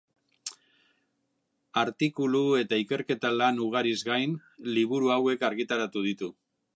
Artikulu eta ikerketa lan ugariz gain, liburu hauek argitaratu ditu.